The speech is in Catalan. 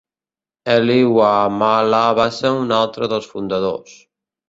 Elly Wamala va ser un altre dels fundadors.